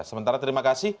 sementara terima kasih